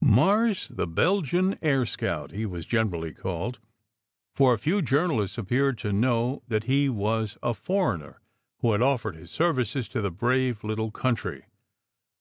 "Mars, the Belgian Air Scout," he was generally called, for few journalists appeared to know that he was a for eigner who had offered his services to the brave little coun try.